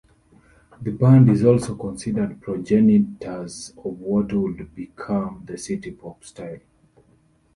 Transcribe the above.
The band is also considered progenitors of what would become the "City Pop" style.